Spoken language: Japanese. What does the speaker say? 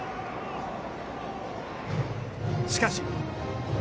しかし。